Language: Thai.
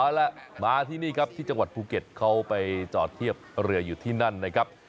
เอาล่ะมาที่นี่ครับที่จังหวัดภูเก็ตเขาไปจอดเทียบเรืออยู่ที่นั่นนะครับ